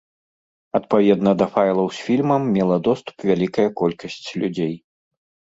Адпаведна, да файлаў з фільмам мела доступ вялікая колькасць людзей.